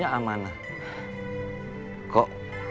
ya luna deh